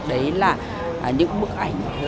đấy là những bức ảnh